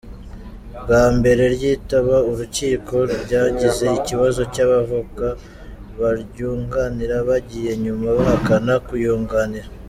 Bwa mbere ryitaba urukiko ryagize ikibazo cy’abavoka baryunganira bagiye nyuma bahakana kuyunganira.